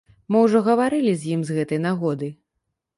Мы ўжо гаварылі з ім з гэтай нагоды.